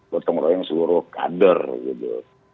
gotong royong seluruh kader gitu